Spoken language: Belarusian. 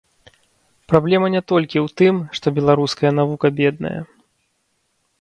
Праблема не толькі ў тым, што беларуская навука бедная.